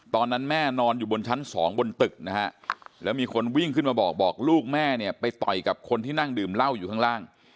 ตอนนั้นแม่นอนอยู่บนชั้นสองบนตึกนะฮะแล้วมีคนวิ่งขึ้นมาบอกบอกลูกแม่เนี่ยไปต่อยกับคนที่นั่งดื่มเหล้าอยู่ข้างล่าง